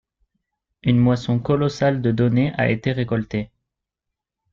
Une moisson colossale de données a été récoltée.